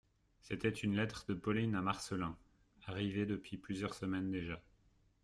C'était une lettre de Pauline à Marcelin, arrivée depuis plusieurs semaines déjà.